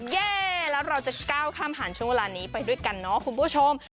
แย่แล้วเราจะก้าวข้ามผ่านช่วงเวลานี้ไปด้วยกันเนาะคุณผู้ชม